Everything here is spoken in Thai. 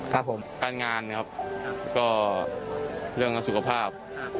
การงานนะครับก็เรื่องสุขภาพ